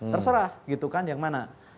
terserah gitu kan yang mana